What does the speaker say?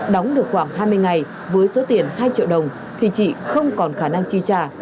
đóng được khoảng hai mươi ngày với số tiền hai triệu đồng thì chị không còn khả năng chi trả